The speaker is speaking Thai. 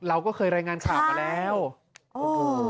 เราก็เคยรายงานข่าวมาแล้วโอ้โห